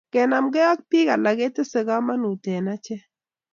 Kenemkei eng bik alak kotesei kamanut eng achek